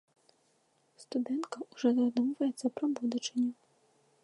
Студэнтка ўжо задумваецца пра будучыню.